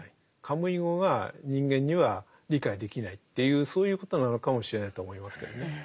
カムイ語が人間には理解できないっていうそういうことなのかもしれないと思いますけどね。